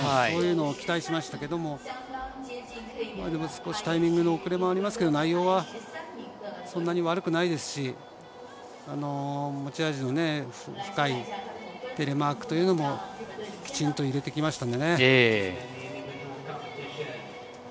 そういうのを期待しましたけど少しタイミングの遅れもありましたけど内容は、そんなに悪くないですし持ち味の深いテレマークもきちんと入れてきましたのでね。